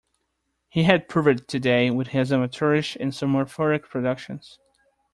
He had proved it today, with his amateurish and sophomoric productions.